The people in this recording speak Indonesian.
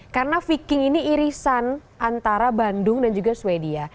karena viking ini irisan antara bandung dan juga swedia